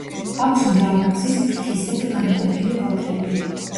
აქვს მრავალგზის ფრთისებრ განკვეთილი ფოთლები.